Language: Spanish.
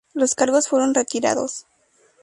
Los cargos fueron retirados.